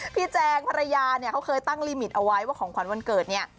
แจงภรรยาเนี่ยเขาเคยตั้งลิมิตเอาไว้ว่าของขวัญวันเกิดเนี่ย